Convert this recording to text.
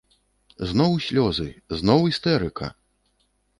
Зноў слёзы, зноў істэрыка!